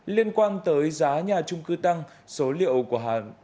liên quan tới giá nhà trung cư tăng số liệu của hội môi giới bất động